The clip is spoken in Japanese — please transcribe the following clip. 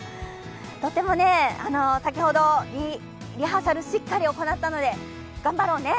とっても先ほどリハーサルしっかり行ったので、頑張ろうね！